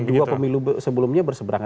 dua pemilu sebelumnya berseberangan